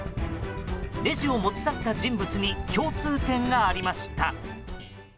レジを持ち去った人物に共通点がありました。